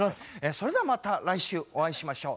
それではまた来週お会いしましょう。